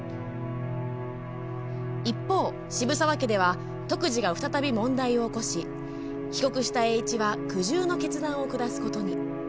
一方、渋沢家では篤二が再び問題を起こし帰国した栄一は苦渋の決断を下すことに。